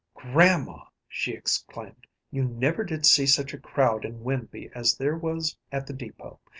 "Grandma!" she exclaimed, "you never did see such a crowd in Winby as there was at the depot!